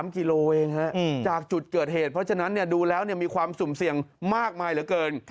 กิโลเองจากจุดเกิดเหตุเพราะฉะนั้นดูแล้วมีความสุ่มเสี่ยงมากมายเหลือเกิน